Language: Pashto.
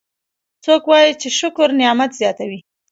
څوک وایي چې شکر نعمت زیاتوي